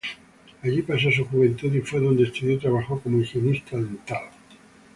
Allí pasó su juventud y fue donde estudió y trabajo como higienista dental.